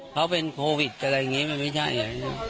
เขาเป็นโควิดอะไรอย่างนี้มันไม่ใช่